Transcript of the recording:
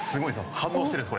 反応しているんです。